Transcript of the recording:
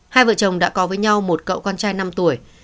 hai vợ chồng đã có với nhau một cậu con trai năm tuổi